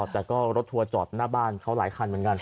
แต่ก็รถทัวร์จอดหน้าบ้านเขาหลายคันเหมือนกัน